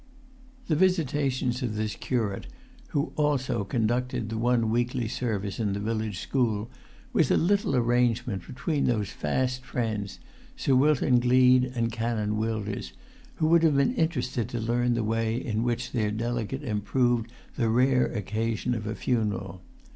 The visitations of this curate, who also conducted the one weekly service in the village school, was a little arrangement between those fast friends, Sir Wilton Gleed and Canon Wilders, who would have been interested to learn the way in which their delegate improved the rare occasion of a funeral.